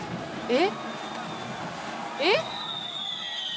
えっ？